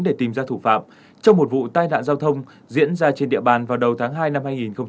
để tìm ra thủ phạm trong một vụ tai nạn giao thông diễn ra trên địa bàn vào đầu tháng hai năm hai nghìn hai mươi